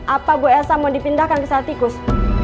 apa bu elsa mau dipindahkan ke satikus